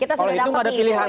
kalau itu tidak ada pilihan lain